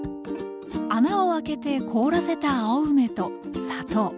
穴を開けて凍らせた青梅と砂糖